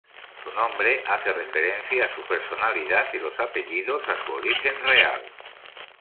Su nombre hace referencia a su personalidad y los apellidos a su origen real.